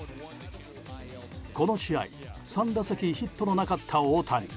この試合３打席ヒットのなかった大谷。